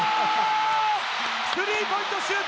スリーポイントシュート！